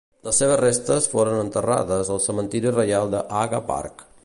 Les seves restes foren enterrades al Cementiri Reial a Haga Park.